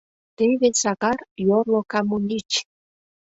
Теве Сакар — йорло камунич.